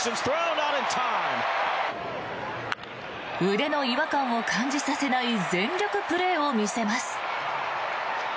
腕の違和感を感じさせない全力プレーを見せます。